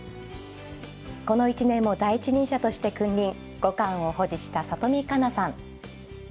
この一年も第一人者として君臨五冠を保持した里見香奈さん。